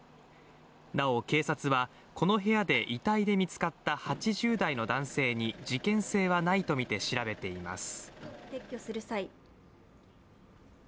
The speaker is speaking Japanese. なお、警察はこの部屋で遺体で見つかった８０代の男性に事件性はないとみて調べています。